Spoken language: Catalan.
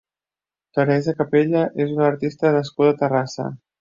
Teresa Capella és una artista nascuda a Terrassa.